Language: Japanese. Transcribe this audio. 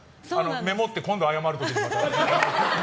メモって、今度謝る時に。